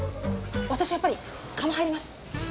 私やっぱり釜入ります。